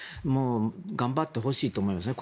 頑張ってほしいと思いますね。